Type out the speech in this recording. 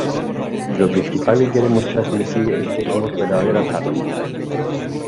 Lo principal que queremos transmitir es que somos verdaderas artistas.